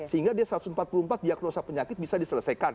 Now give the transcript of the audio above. sehingga dia satu ratus empat puluh empat diagnosa penyakit bisa diselesaikan